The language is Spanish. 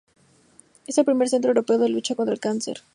Es el primer centro europeo de lucha contra el cáncer.